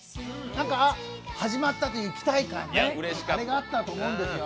あっ、始まったという期待感があったと思うんですね。